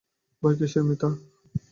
ভয় কিসের মিতা।